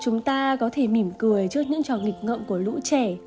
chúng ta có thể mỉm cười trước những trò nghịch ngợm của lũ trẻ